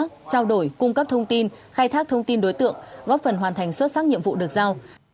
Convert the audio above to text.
trao đổi cung cấp thông tin khai thác thông tin đối tượng góp phần hoàn thành xuất sắc nhiệm vụ được giao